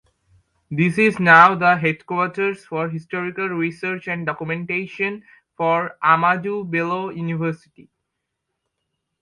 It is now the headquarters for historical research and documentations for Ahmadu Bello University.